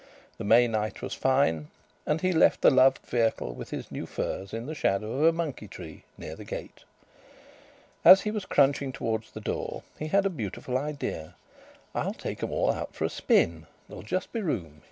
The May night was fine, and he left the loved vehicle with his new furs in the shadow of a monkey tree near the gate. As he was crunching towards the door, he had a beautiful idea: "I'll take 'em all out for a spin. There'll just be room!"